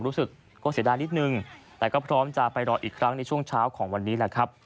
รู้สึกก็เสียดายนิดนึงแต่ก็พร้อมจะไปรออีกครั้งในช่วงเช้าของวันนี้แหละครับ